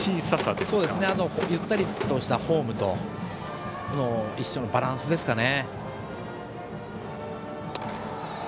あとゆったりとしたフォームとのバランスですかね。